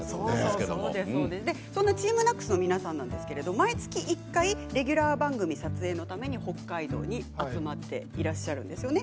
そんなＴＥＡＭＮＡＣＳの皆さんは毎月１回レギュラー番組撮影のために北海道に集まっていらっしゃるんですよね。